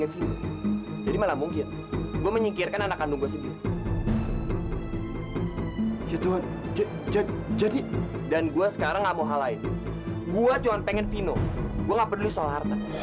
sampai jumpa di video selanjutnya